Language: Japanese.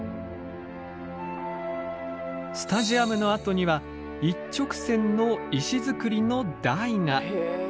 スタジアムの跡には一直線の石造りの台が。